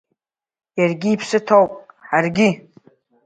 Иаргьы иԥсы ҭоуп, ҳаргьы…